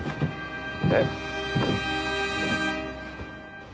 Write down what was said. えっ？